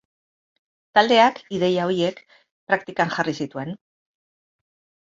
Taldeak ideia horiek praktikan jarri zituen.